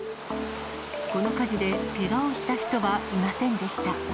この火事でけがをした人はいませんでした。